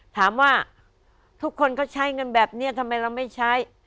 ถามว่าทุกคนก็ใช้เงินแบบนี้ทำไมเราไม่ใช้